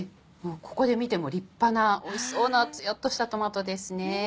ここで見ても立派なおいしそうなつやっとしたトマトですね。